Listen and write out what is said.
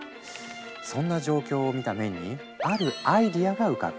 そんな状況を見たメンにあるアイデアが浮かぶ。